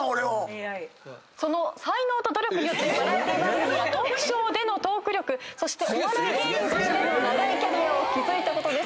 「その才能と努力によってバラエティー番組やトークショーでのトーク力そしてお笑い芸人としての長いキャリアを築いたことです。